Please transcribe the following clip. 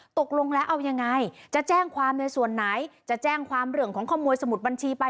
ตกลงแล้วเอายังไงจะแจ้งความในส่วนไหนจะแจ้งความเรื่องของขโมยสมุดบัญชีไป